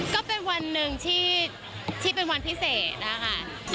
ก็เป็นวันหนึ่งที่เป็นวันพิเศษนะคะ